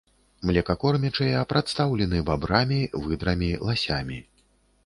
Млекакормячыя прадстаўлены бабрамі, выдрамі, ласямі.